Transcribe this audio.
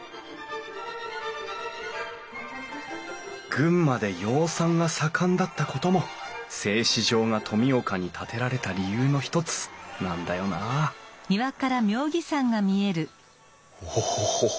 群馬で養蚕が盛んだったことも製糸場が富岡に建てられた理由の一つなんだよなオホホホホ！